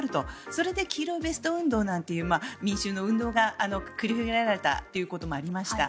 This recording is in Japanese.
それで黄色いベスト運動なんていう民衆の運動が繰り広げられたということもありました。